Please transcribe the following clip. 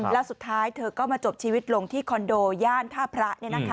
แล้วสุดท้ายเธอก็มาจบชีวิตลงที่คอนโดย่านท่าพระ